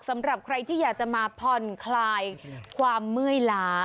สำหรับใครที่อยากจะมาผ่อนคลายความเมื่อยล้า